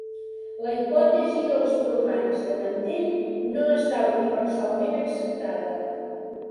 La hipòtesi dels plomalls de mantell no està universalment acceptada.